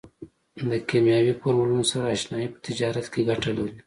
د کیمیاوي فورمولونو سره اشنایي په تجارت کې ګټه لري.